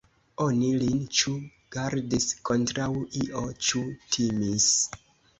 Oni lin ĉu gardis kontraŭ io, ĉu timis.